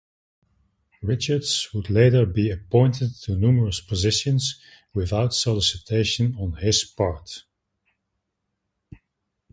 Richards would later be appointed to numerous positions without solicitation on his part.